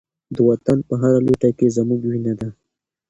د وطن په هره لوټه کې زموږ وینه ده.